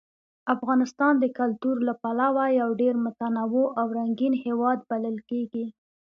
افغانستان د کلتور له پلوه یو ډېر متنوع او رنګین هېواد بلل کېږي.